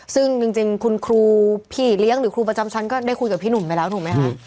ซึ่งจริงคุณครูพี่เลี้ยงหรือครูประจำชั้นก็ได้คุยกับพี่หนุ่มไปแล้วถูกไหมคะ